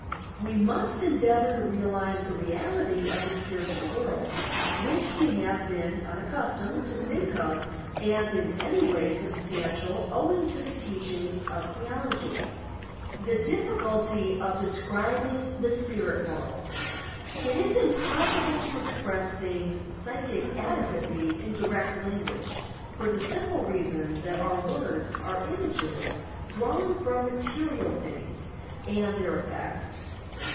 We must endeavour to realize the reality of the spirit nal world, which we have been unaccustomed to think of as in any way substantial owing to the teachings of theology. THE DIPnCULTY OP DESCRIBING THE SPIRIT WORLD It is impossible to express things psychic adequately in direct language for the simple reason that our worda are images drawn from material things and their effects.